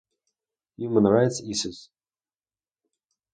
Human-Right Issues".